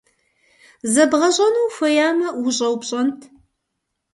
Зэбгъэщӏэну ухуеямэ, ущӏэупщӏэнт.